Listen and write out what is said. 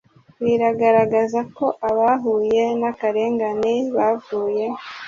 biragaragaza ko abahuye n akarengane bavuye